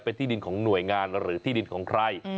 เป็นที่ดินของหน่วยงานหรือที่ดินของใคร